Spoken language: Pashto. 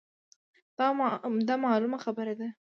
دا مـعـلومـه خـبـره ده.